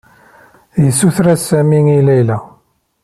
Yessuter-as Sami i Layla.